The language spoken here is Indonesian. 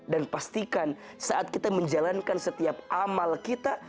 dan pastikan saat kita menjalankan setiap amal kita